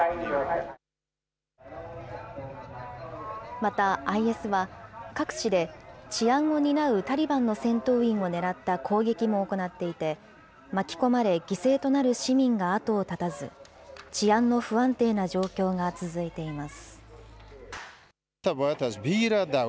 また、ＩＳは各地で治安を担うタリバンの戦闘員を狙った攻撃も行っていて、巻き込まれ犠牲となる市民が後を絶たず、治安の不安定な状況が続いています。